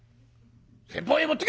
先方へ持ってけ！」。